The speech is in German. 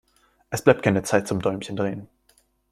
Es bleibt keine Zeit zum Däumchen drehen.